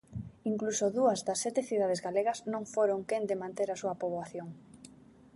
Incluso dúas das sete cidades galegas non foron quen de manter a súa poboación.